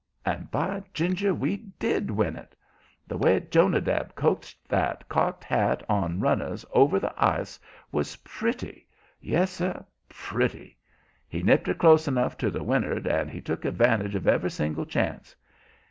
And, by ginger! we DID win it. The way Jonadab coaxed that cocked hat on runners over the ice was pretty yes, sir, pretty! He nipped her close enough to the wind'ard, and he took advantage of every single chance.